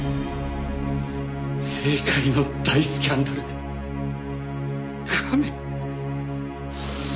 政界の大スキャンダルでカメ。